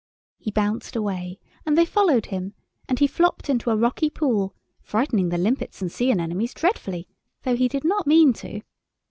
He bounced away, and they followed him, and he flopped into a rocky pool, frightening the limpets and sea anemones dreadfully, though he did not mean to.